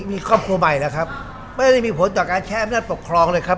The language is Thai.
มีครอบครัวใหม่แล้วครับไม่ได้มีผลต่อการใช้อำนาจปกครองเลยครับ